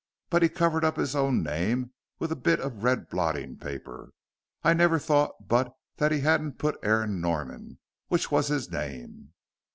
But he covered up his own name with a bit of red blotting paper. I never thought but that he hadn't put Aaron Norman, which was his name."